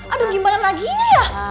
aduh gimana lagi ini yah